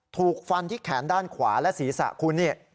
ถูกฟันที่แขนด้านขวาและศีรษะคุณนี่